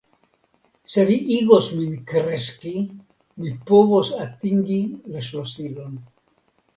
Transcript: Se vi igos min kreski, mi povos atingi la ŝlosilon.